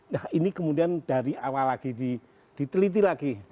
nah ini kemudian dari awal lagi diteliti lagi